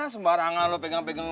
sembarangan lo pegang pegang